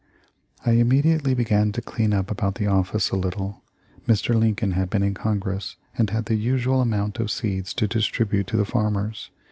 I immediately began to clean up about the office a little. Mr. Lincoln had been in Congress and had the usual amount of seeds to distribute to the farmers.